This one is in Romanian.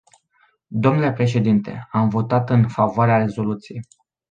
Dle președinte, am votat în favoarea rezoluției.